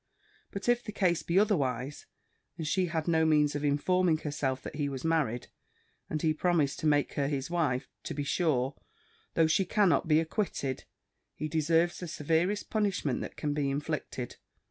But if the case be otherwise, and she had no means of informing herself that he was married, and he promised to make her his wife, to be sure, though she cannot be acquitted, he deserves the severest punishment that can be inflicted.